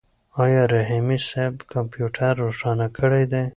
آیا رحیمي صیب کمپیوټر روښانه کړی دی؟